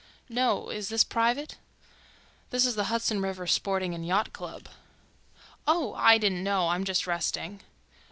"No. Is this private?" "This is the Hudson River Sporting and Yacht Club." "Oh! I didn't know. I'm just resting."